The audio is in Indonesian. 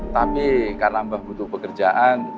tapi karena mbah butuh pekerjaan